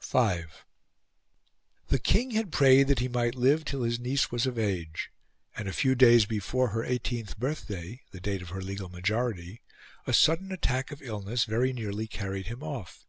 V The King had prayed that he might live till his niece was of age; and a few days before her eighteenth birthday the date of her legal majority a sudden attack of illness very nearly carried him off.